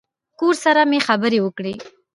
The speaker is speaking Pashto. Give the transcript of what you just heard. کور سره مې خبرې وکړې.